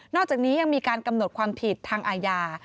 อกจากนี้ยังมีการกำหนดความผิดทางอาญา